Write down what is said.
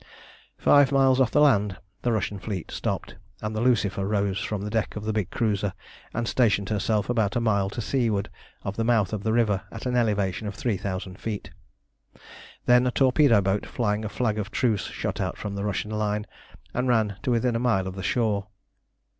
Five miles off the land the Russian fleet stopped, and the Lucifer rose from the deck of the big cruiser and stationed herself about a mile to seaward of the mouth of the river at an elevation of three thousand feet. Then a torpedo boat flying a flag of truce shot out from the Russian line and ran to within a mile of the shore.